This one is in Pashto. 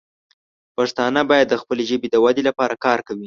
پښتانه باید د خپلې ژبې د ودې لپاره کار وکړي.